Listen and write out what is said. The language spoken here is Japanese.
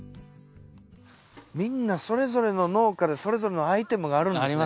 みんなそれぞれの農家でそれぞれのアイテムがあるんですね。